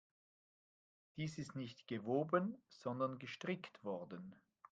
Dies ist nicht gewoben, sondern gestrickt worden.